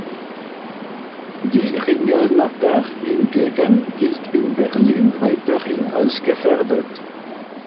Die Ringelnatter hingegen gilt in Berlin weiterhin als "gefährdet".